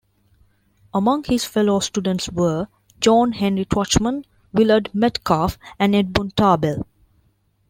Among his fellow students were John Henry Twachtman, Willard Metcalf, and Edmund Tarbell.